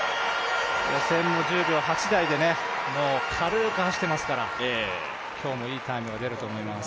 予選も１０秒８台で軽く走ってますから今日もいいタイムが出ると思います。